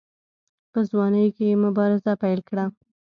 په ځوانۍ کې یې مبارزه پیل کړه.